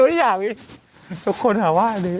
อยู่อย่างนี้ทุกคนหาว่าดี